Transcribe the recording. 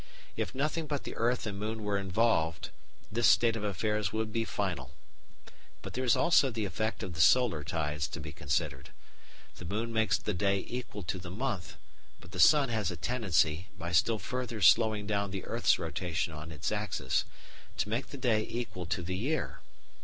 If nothing but the earth and moon were involved this state of affairs would be final. But there is also the effect of the solar tides to be considered. The moon makes the day equal to the month, but the sun has a tendency, by still further slowing down the earth's rotation on its axis, to make the day equal to the year.